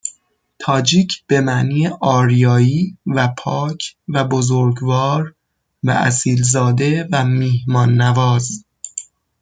تاجیک به معنی آریایی و پاک و بزرگوار و اصیلزاده و میهماننواز